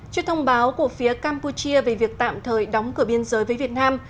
trước thông báo của phía campuchia về việc tạm thời đóng cửa biên giới với việt nam